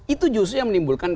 itu justru yang menimbulkan